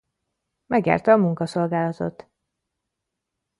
Megjárta a munkaszolgálatot.